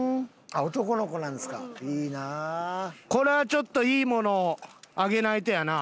これはちょっといいものをあげないとやな。